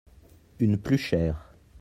Une plus chère.